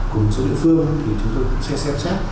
của số địa phương thì chúng tôi sẽ xem xét